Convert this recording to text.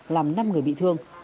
làm năm người bị thương